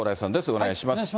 お願いします。